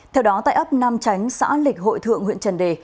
theo đó tại ấp nam chánh xã lịch hội thượng huyện trần đề